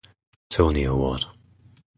Tony Award